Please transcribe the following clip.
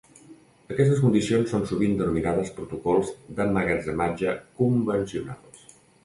Aquestes condicions són sovint denominades protocols d'emmagatzematge "convencionals".